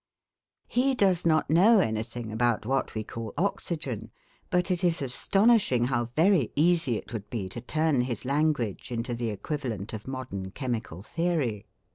He does not know anything about what we call oxygen; but it is astonishing how very easy it would be to turn his language into the equivalent of modern chemical theory.